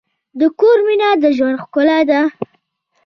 د کور مینه د ژوند ښکلا ده.